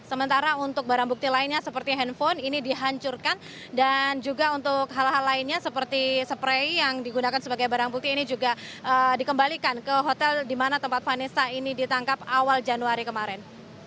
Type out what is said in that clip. sementara untuk barang bukti lainnya seperti handphone ini dihancurkan dan juga untuk hal hal lainnya seperti spray yang digunakan sebagai barang bukti ini juga dikembalikan ke hotel di mana tempat vanessa ini ditangkap awal januari kemarin